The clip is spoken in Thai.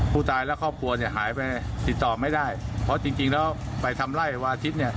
ผู้ตายและครอบครัวเนี่ยหายไปติดต่อไม่ได้เพราะจริงแล้วไปทำไล่วันอาทิตย์เนี่ย